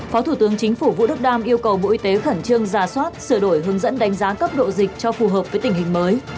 phó thủ tướng chính phủ vũ đức đam yêu cầu bộ y tế khẩn trương ra soát sửa đổi hướng dẫn đánh giá cấp độ dịch cho phù hợp với tình hình mới